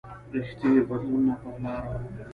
رښتیني بدلونونه پر لاره و.